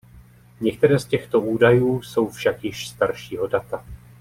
Některé z těchto údajů jsou však již staršího data.